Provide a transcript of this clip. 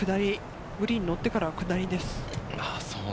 グリーンにのってからは下りです。